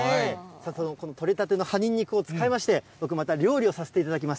その取れたての葉ニンニクを使いまして、僕、また料理をさせていただきます。